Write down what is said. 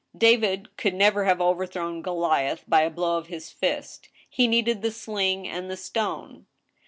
David could never have overthrown Goliath by a blow of his fist ; he needed the sling and the stone.